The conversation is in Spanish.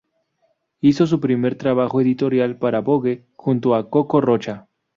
Hizo su primer trabajo editorial para "Vogue", junto a Coco Rocha.